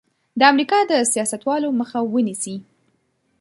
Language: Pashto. د امریکا د سیاستوالو مخه ونیسي.